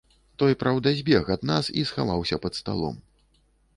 Той, праўда, збег ад нас і схаваўся пад сталом.